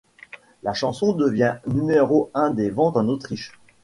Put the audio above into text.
La chanson devient numéro un des ventes en Autriche.